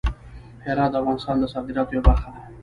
هرات د افغانستان د صادراتو یوه برخه ده.